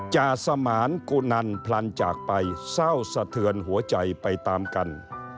จาสมานกุนันพลันจากไปเศร้าสะเทือนหัวใจไปตามกัน